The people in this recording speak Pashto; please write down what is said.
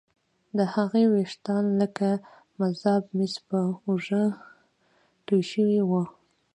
د هغې ويښتان لکه مذاب مس پر اوږو توې شوي وو